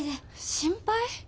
心配？